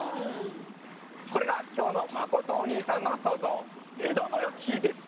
これがきょうのまことおにいさんのそうぞう「めだまやき」です！